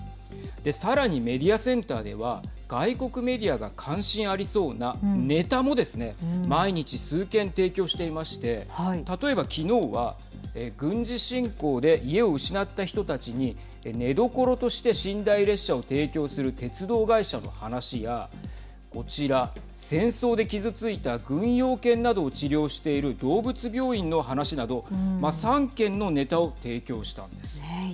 さらに、メディアセンターでは外国メディアが関心ありそうなネタもですね毎日数件、提供していまして例えば、きのうは軍事侵攻で家を失った人たちに寝どころとして寝台列車を提供する鉄道会社の話やこちら、戦争で傷ついた軍用犬などを治療している動物病院の話など３件のネタを提供したんです。